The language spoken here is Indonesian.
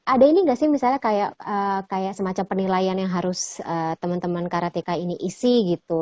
ada ini nggak sih misalnya kayak semacam penilaian yang harus teman teman karateka ini isi gitu